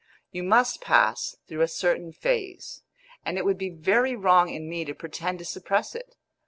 You must pass through a certain phase, and it would be very wrong in me to pretend to suppress it.